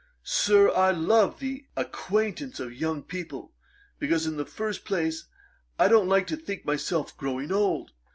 'Sir, I love the acquaintance of young people; because, in the first place, I don't like to think myself growing old.